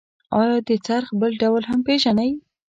آیا د څرخ بل ډول هم پیژنئ؟